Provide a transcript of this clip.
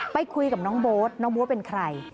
ไปคุยกับน้องโบ๊ทน้องโบ๊ทเป็นใคร